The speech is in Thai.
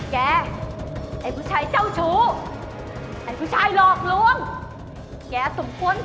ไอ้ผู้ชายเจ้าชู้ไอ้ผู้ชายหลอกลวงแกสมควร